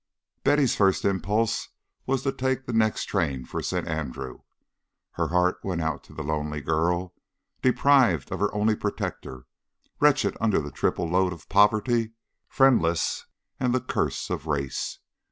Betty's first impulse was to take the next train for St. Andrew. Her heart went out to the lonely girl, deprived of her only protector, wretched under the triple load of poverty, friendlessness, and the curse of race.